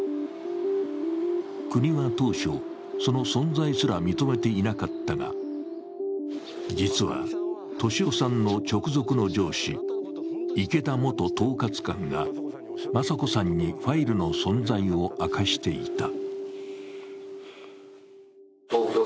国は当初、その存在すら認めていなかったが実は、俊夫さんの直属の上司池田元統括官が雅子さんにファイルの存在を明かしていた。